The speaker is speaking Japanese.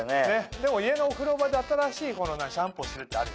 でも家のお風呂場で新しいシャンプーを知るってあるよね。